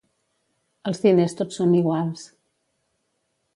Els diners tots són iguals.